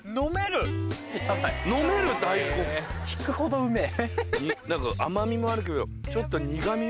引くほどうめぇ。